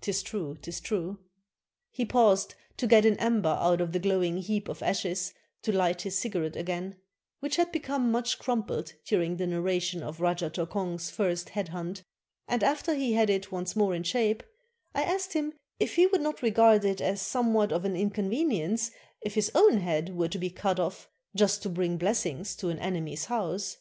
['T is true, 't is true.] He paused to get an ember out of the glowing heap of ashes to hght his cigarette again, which had become much crumpled during the narra tion of Rajah Tokong's first head hunt, and after he had it once more in shape, I asked him if he would not regard it as somewhat of an inconvenience if his own head were to be cut off, just to bring blessings to an enemy's house.